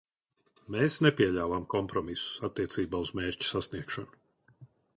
Mēs nepieļāvām kompromisus attiecībā uz mērķu sasniegšanu.